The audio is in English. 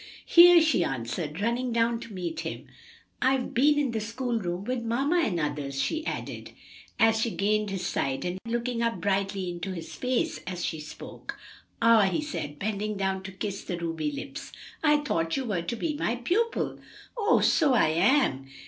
"Here," she answered, running down to meet him. "I've been in the school room with mamma and the others," she added, as she gained his side, and looking up brightly into his face as she spoke. "Ah," he said, bending down to kiss the ruby lips. "I thought you were to be my pupil." "Oh, so I am!